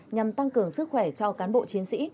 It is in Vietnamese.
nhằm tăng cường sức khỏe cho cán bộ chiến sĩ